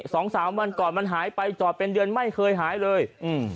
สองสามวันก่อนมันหายไปจอดเป็นเดือนไม่เคยหายเลยอืม